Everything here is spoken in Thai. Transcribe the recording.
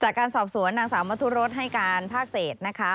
จากการสอบสวนนางสาวมทุรสให้การภาคเศษนะคะ